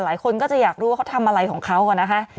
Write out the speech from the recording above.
หลายคนก็จะอยากรู้ว่าเขาทำอะไรของเขานะคะ